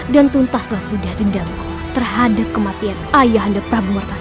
dan tuntaslah sudah dendamku terhadap kematian ayah anda prabu merta sina